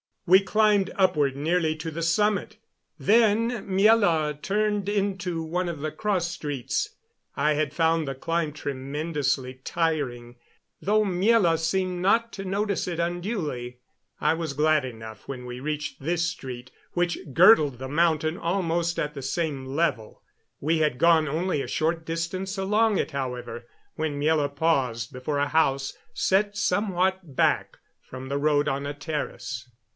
We climbed upward nearly to the summit; then Miela turned into one of the cross streets. I had found the climb tremendously tiring, though Miela seemed not to notice it unduly, and I was glad enough when we reached this street which girdled the mountain almost at the same level. We had gone only a short distance along it, however, when Miela paused before a house set somewhat back from the road on a terrace.